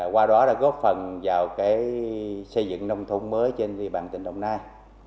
qua đó đã góp phần vào xây dựng nông thôn mới trên địa bàn tỉnh đồng nai